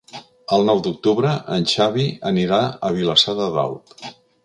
El nou d'octubre en Xavi anirà a Vilassar de Dalt.